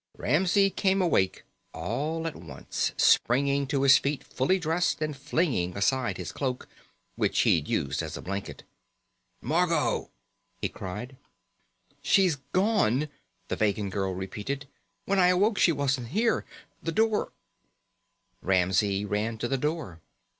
Ramsey came awake all at once, springing to his feet fully dressed and flinging aside his cloak, which he'd used as a blanket. "Margot!" he called. "She's gone," the Vegan girl repeated. "When I awoke she wasn't here. The door "Ramsey ran to the door.